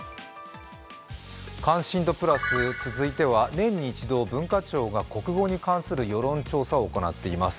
「関心度プラス」続いては年に一度文化庁が国語に関する世論調査を行っています